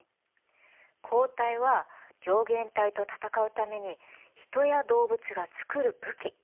抗体は病原体と闘うために人や動物が作る武器。